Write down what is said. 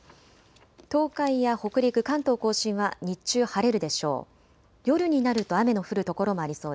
東海や北陸、関東甲信は日中晴れるでしょう。